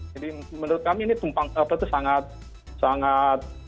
jadi menurut kami ini tumpang apa itu sangat sangat ini ya